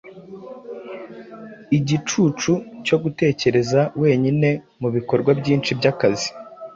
Igicucu cyo gutekereza wenyine, Mubikorwa byinshi byakazi.